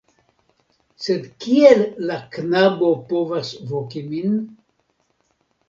Sed kiel la knabo povas voki min?